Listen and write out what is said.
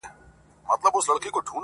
په تعظيم ورته قاضي او وزيران سول٫